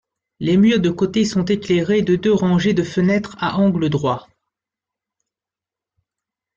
Les murs de côté sont éclairés de deux rangées de fenêtres à angle droit.